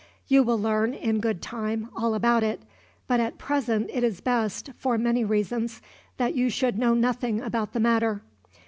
You will learn, in good time, all about it; but at present it is best, for many reasons, that you should know nothing about the matter.